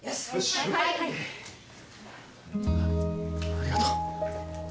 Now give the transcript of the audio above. ありがとう。